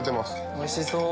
おいしそう！